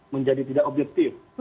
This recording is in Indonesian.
menjadi tidak objektif